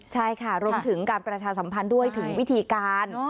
ใช่ค่ะรวมถึงการประชาสัมพันธ์ด้วยถึงวิธีการ